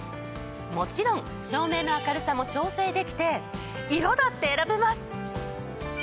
もちろん照明の明るさも調整できて色だって選べます！